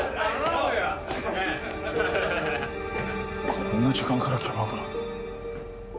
こんな時間からキャバクラ？